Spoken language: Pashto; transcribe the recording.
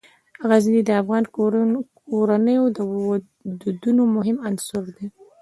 غزني د افغان کورنیو د دودونو مهم عنصر دی.